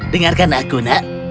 dengarkan aku nak